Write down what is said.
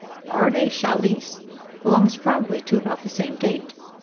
The Ardagh Chalice belongs probably to about the same date.